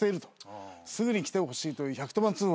すぐに来てほしいという１１０番通報がありました。